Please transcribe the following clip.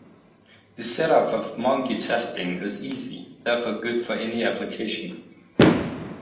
The setup of monkey testing is easy, therefore good for any application.